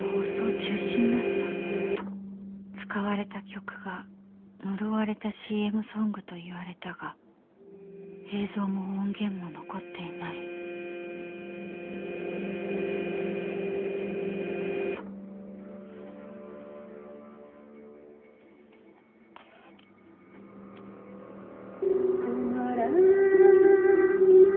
「使われた曲が呪われたＣＭソングといわれたが映像も音源も残っていない」「止まらな」